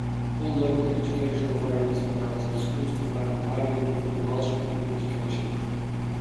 All local education authorities in Wales have schools providing bilingual or Welsh-medium education.